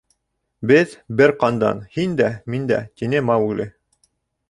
— Беҙ — бер ҡандан, һин дә, мин дә, — тине Маугли.